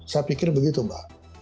saya pikir begitu mbak